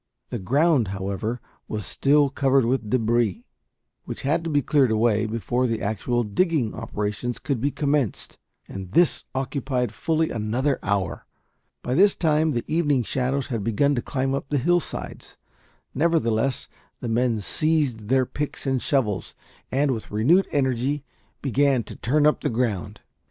The ground, however, was still covered with debris, which had to be cleared away before the actual digging operations could be commenced, and this occupied fully another hour. By this time the evening shadows had begun to climb up the hillsides; nevertheless the men seized their picks and shovels, and, with renewed energy, began to turn up the ground.